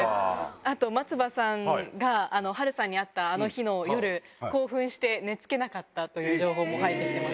あと、松葉さんが波瑠さんに会ったあの夜、興奮して寝つけなかったという情報も入ってきてます。